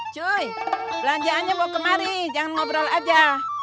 joy belanjaannya mau kemari jangan ngobrol aja